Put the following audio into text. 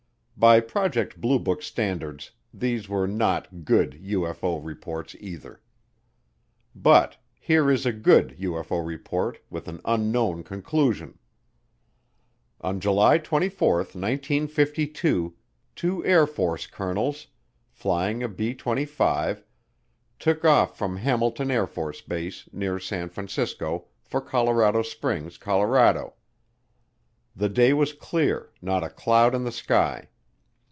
By Project Blue Book standards, these were not "good" UFO reports either. But here is a "good" UFO report with an "unknown" conclusion: On July 24, 1952, two Air Force colonels, flying a B 25, took off from Hamilton Air Force Base, near San Francisco, for Colorado Springs, Colorado. The day was clear, not a cloud in the sky.